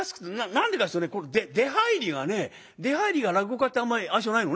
何でかっていうと出はいりがね出はいりが落語家ってあんまり愛想ないのね。